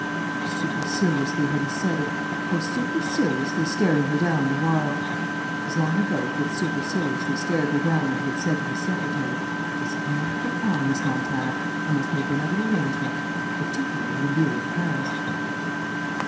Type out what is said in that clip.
How superciliously had he said it, how superciliously staring her down the while. As, long ago, he had superciliously stared her down when he had said to his secretary, "This cannot go on, Miss Montana. I must make another arrangement. Particularly in view of Paris...."